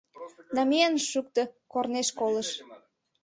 Намиен ыш шукто — корнеш колыш...